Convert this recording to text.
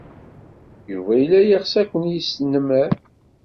Yuba yella yeɣs ad ken-yesnemmer.